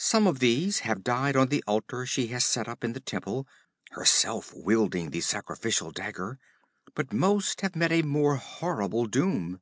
Some of these have died on the altar she has set up in the temple, herself wielding the sacrificial dagger, but most have met a more horrible doom.